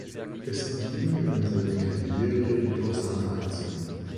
Es blieben in seiner Karriere jedoch seine einzigen.